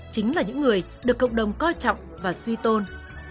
chính là những người được cộng đồng coi trọng và suy tôn